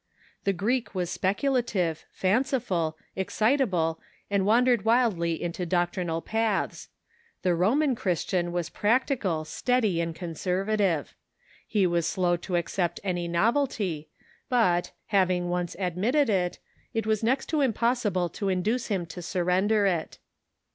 The Greek was speculative, fanciful, excitable, and wandered wildly into doctrinal paths. The Roman Christian was practical, steady, and conservative. He was slow to accept any novelty, but, having once admit ted it, it was next to impossible to induce him to surrender it.